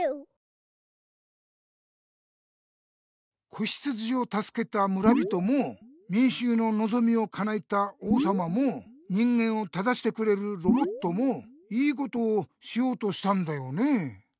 子ヒツジをたすけた村人もみんしゅうののぞみをかなえた王さまも人間を正してくれるロボットも良いことをしようとしたんだよね。